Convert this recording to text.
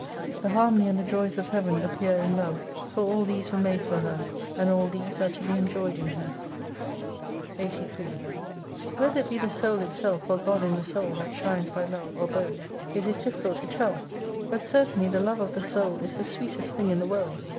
The harmony and the joys of fleaven appear in Love, for all these were made for her, and all these are to be enjoyed in her. 83 Whether it be the Soul itself, or God in the Soul, that shines by Love, or both, it is difficult to tell : but certainly the love of the Soul is the sweetest thing in the world.